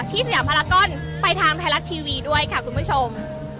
ที่สยามภารกรไปทางไทยรัฐทีวีด้วยค่ะคุณผู้ชม